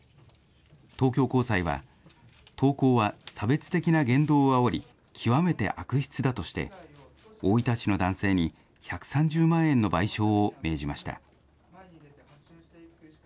東京高裁は、投稿は差別的な言動をあおり、極めて悪質だとして、大分市の男性に１３０万円の賠償を命じました。